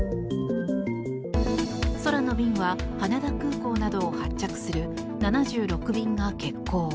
空の便は羽田空港などを発着する７６便が欠航。